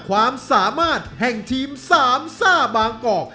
ความสามารถแห่งทีมสามซ่าบางกอก